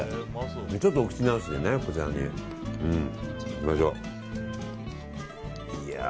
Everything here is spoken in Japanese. ちょっと、お口直しにこちらいきましょう。